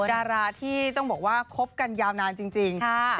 ดาราที่ต้องบอกว่าคบกันยาวนานจริง